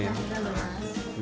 sama selapa pasir